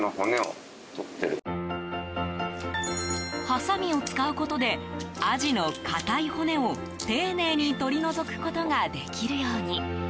はさみを使うことでアジの硬い骨を丁寧に取り除くことができるように。